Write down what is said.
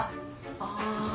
ああ。